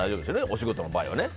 お仕事の場合はね。